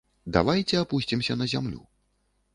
Давайце апусцімся на зямлю.